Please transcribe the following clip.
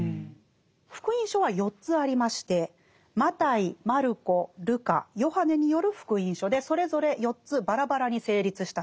「福音書」は４つありましてマタイマルコルカヨハネによる「福音書」でそれぞれ４つバラバラに成立したそうです。